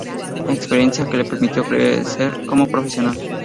Experiencia que le permitió crecer como profesional.